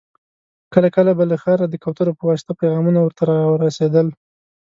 کله کله به له ښاره د کوترو په واسطه پيغامونه ور ته را رسېدل.